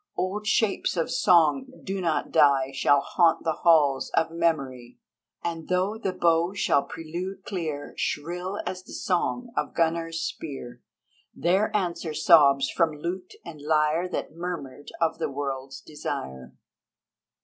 Old shapes of song that do not die Shall haunt the halls of memory, And though the Bow shall prelude clear Shrill as the song of Gunnar's spear, There answer sobs from lute and lyre That murmured of The World's Desire.